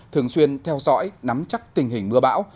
thường xuyên theo dõi nắm chắc tình hình mưa bão